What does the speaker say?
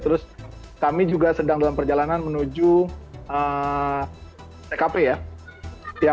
terus kami juga sedang dalam perjalanan menuju tkp ya